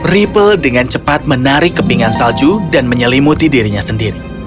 ripple dengan cepat menarik kepingan salju dan menyelimuti dirinya sendiri